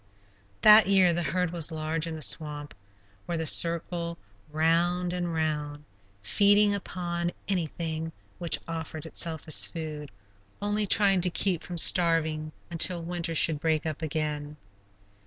That year the herd was large in the swamp, where they circled round and round, feeding upon anything which offered itself as food, only trying to keep from starving until winter should break up again.